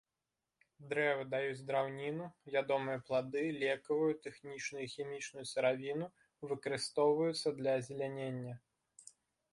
Дрэвы даюць драўніну, ядомыя плады, лекавую, тэхнічную і хімічную сыравіну, выкарыстоўваюцца для азелянення.